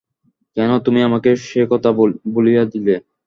কেন তুমি আমাকে সেকথা ভুলিয়ে দিলে?